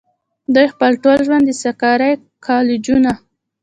دوي خپل ټول ژوند د سرکاري کالجونو